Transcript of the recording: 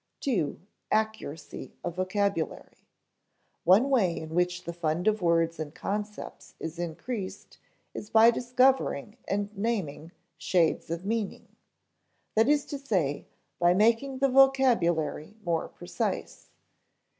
(ii) Accuracy of vocabulary. One way in which the fund of words and concepts is increased is by discovering and naming shades of meaning that is to say, by making the vocabulary more precise.